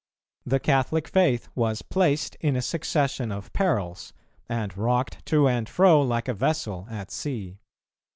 The Catholic faith was placed in a succession of perils, and rocked to and fro like a vessel at sea.